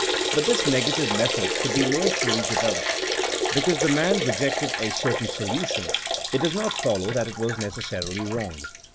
But this negative method could be more fully de veloped. Because the man rejected a certain solution, it does not follow that it was neces sarily wrong.